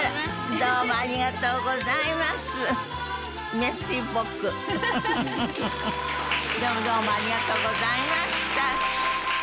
どうもどうもありがとうございました。